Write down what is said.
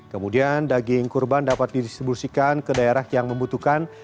kemudian daging kurban dapat didistribusikan ke daerah yang membutuhkan